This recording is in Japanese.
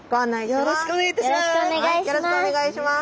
よろしくお願いします。